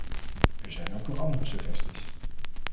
Er zijn ook nog andere suggesties.